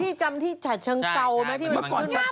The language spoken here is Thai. พี่จำที่จัดเชิงเศร้าไหมที่มันเคลื่อนหน้ากัด